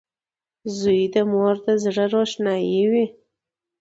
• زوی د مور د زړۀ روښنایي وي.